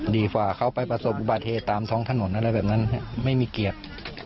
ดีกว่าเขาไปประสบอุบัติเหตุตามท้องถนนอะไรแบบนั้นไม่มีเกียรติ